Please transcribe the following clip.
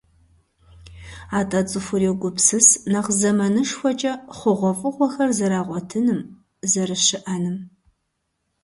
АтӀэ цӀыхур йогупсыс нэхъ зэманышхуэкӀэ хъугъуэфӀыгъуэхэр зэрагъуэтыным, зэрыщыӀэным.